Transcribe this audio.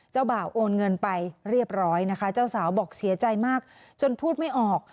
บ่าวโอนเงินไปเรียบร้อยนะคะเจ้าสาวบอกเสียใจมากจนพูดไม่ออก